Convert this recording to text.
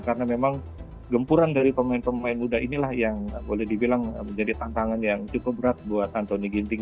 karena memang gempuran dari pemain pemain muda inilah yang boleh dibilang menjadi tantangan yang cukup berat buat anthony ginting